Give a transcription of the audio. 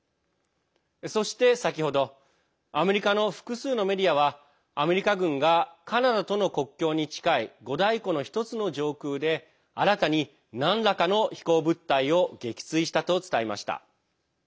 そして、先ほどアメリカの複数のメディアはアメリカ軍がカナダとの国境に近い五大湖の１つの上空で新たに、なんらかの飛行物体を撃墜したと伝えました。